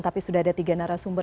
tapi sudah ada tiga narasumber